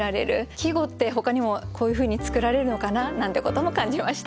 季語ってほかにもこういうふうに作られるのかななんてことも感じました。